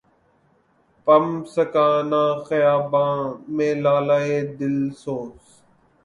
پنپ سکا نہ خیاباں میں لالۂ دل سوز